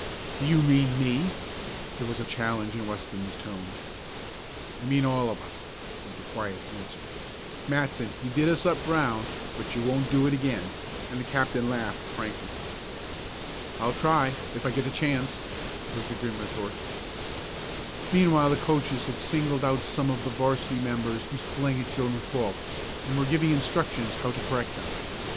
"Do you mean me?" There was challenge in Weston's tone. "I mean all of us," was the quiet answer. "Matson, you did us up brown, but you won't do it again," and the captain laughed frankly. "I'll try if I get the chance," was the grim retort. Meanwhile the coaches had singled out some of the 'varsity members whose playing had shown faults, and were giving instructions how to correct them.